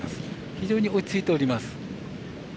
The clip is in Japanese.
非常に落ち着いております。